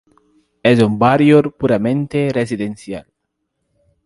Es un barrio puramente residencial.